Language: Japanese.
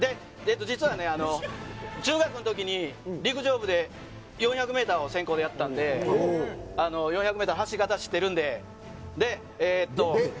実は、中学の時に陸上部で４００ｍを専攻でやってたので４００ｍの走り方知ってるので。